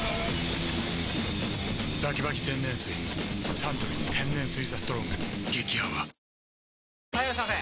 サントリー天然水「ＴＨＥＳＴＲＯＮＧ」激泡・はいいらっしゃいませ！